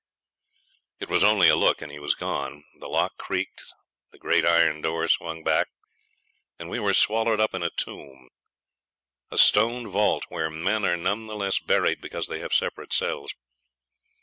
It was only a look, and he was gone. The lock creaked, the great iron door swung back, and we were swallowed up in a tomb a stone vault where men are none the less buried because they have separate cells.